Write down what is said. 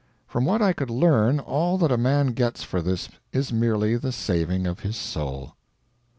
From what I could learn, all that a man gets for this is merely the saving of his soul.